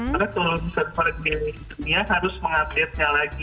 maka seluruh server di dunia harus mengupdate nya lagi